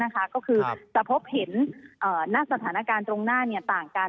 ก็คือจะพบเห็นณสถานการณ์ตรงหน้าต่างกัน